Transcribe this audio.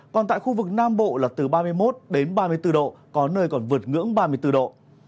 còn tại khu vực nam bộ là từ ba mươi một đến ba mươi bốn độ có nơi còn vượt ngưỡng ba mươi bốn độ